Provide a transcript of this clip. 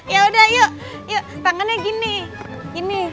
yaudah yuk yuk tangannya gini gini